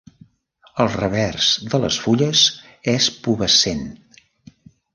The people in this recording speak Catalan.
El revers de les fulles és pubescent.